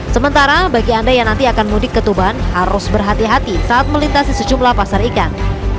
sementara bagi anda yang nanti akan mudik ke tuban harus berhati hati saat melintasi sejumlah pasar ikan